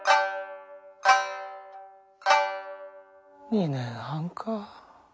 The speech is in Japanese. ２年半かあ。